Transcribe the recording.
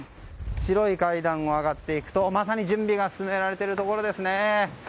白い階段を上がっていくとまさに準備が進められているところです。